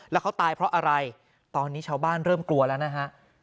แล้วเขาตายเพราะอะไรตอนนี้ชาวบ้านเริ่มกลัวแล้วนะฮะ